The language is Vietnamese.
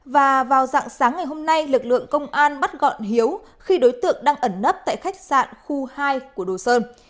và vào dạng sáng ngày hôm nay lực lượng công an bắt gọn hiếu khi đối tượng đang ẩn nấp tại khách sạn khu hai của đồ sơn